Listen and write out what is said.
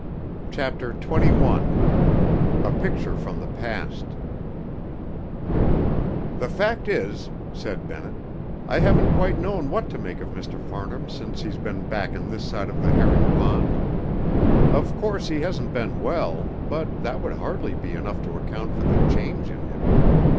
CHAPTER XXI A Picture from the Past "The fact is," said Bennett, "I haven't quite known what to make of Mr. Farnham since he's been back on this side the herring pond. Of course he hasn't been well, but that would hardly be enough to account for the change in him.